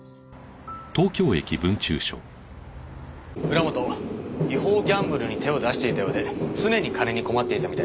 浦本違法ギャンブルに手を出していたようで常に金に困っていたみたいです。